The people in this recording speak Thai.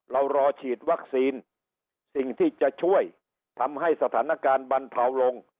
เรารอฉีดวัคซีนสิ่งที่จะช่วยทำให้สถานการณ์บรรเทาลง